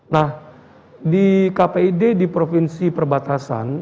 nah di kpi d di provinsi perbatasan